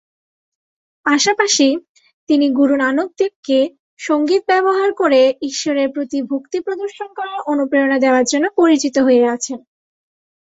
পাশাপাশি, তিনি গুরু নানক দেবকে, সঙ্গীত ব্যবহার করে ঈশ্বরের প্রতি ভক্তি প্রদর্শন করার অনুপ্রেরণা দেওয়ার জন্য পরিচিত হয়ে আছেন।